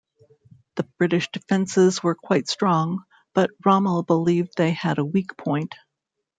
The British defences were quite strong, but Rommel believed they had a weak point.